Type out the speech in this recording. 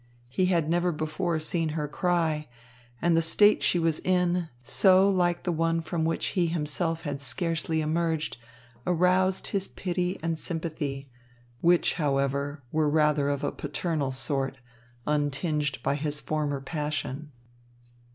He had never before seen her cry, and the state she was in, so like the one from which he himself had scarcely emerged, aroused his pity and sympathy, which, however, were rather of a paternal sort, untinged by his former passion.